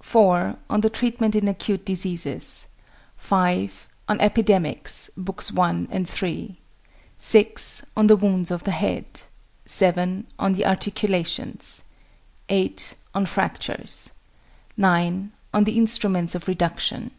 4. On the Treatment in Acute Diseases. 5. On Epidemics [Books I. and III.]. 6. On Wounds of the Head. 7. On the Articulations. 8. On Fractures. 9. On the Instruments of Reduction.